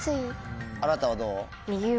あらたはどう？